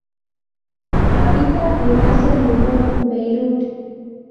Habita en Asia Menor; Beirut.